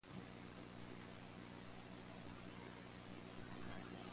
It is shy and rarely seen by humans.